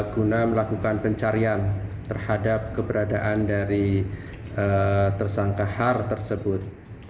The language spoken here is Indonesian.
guna melakukan pencarian terhadap keberadaan dari tersangka har tersebut